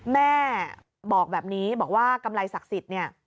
แม่บอกแบบนี้บอกว่ากำไรศักดิ์สิทธิ์เนี่ย